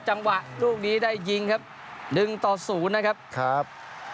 จังหวะลูกนี้ได้ยิงครับ๑๐นะครับ